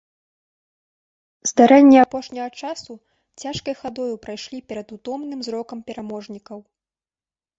Здарэнні апошняга часу цяжкай хадою прайшлі перад утомным зрокам пераможнікаў.